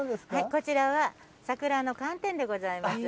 こちらは、桜の寒天でございます。